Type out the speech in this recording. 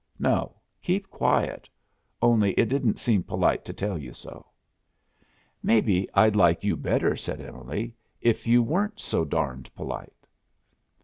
"No, keep quiet. Only it didn't seem polite to tell you so." "Maybe I'd like you better," said Emily, "if you weren't so darned polite."